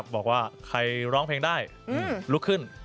บอกว่าใครร้องเพลงได้ลุกขึ้น